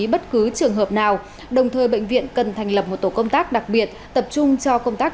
bất cứ trường hợp nào đồng thời bệnh viện cần thành lập một tổ công tác đặc biệt tập trung cho công tác